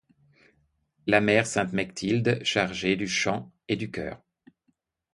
La mère Sainte-Mechtilde, chargée du chant et du chœur